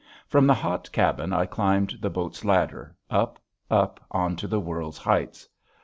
From the hot cabin I climbed the boat's ladder, up, up onto the world's heights.